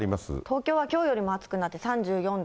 東京はきょうよりも暑くなって、３４度。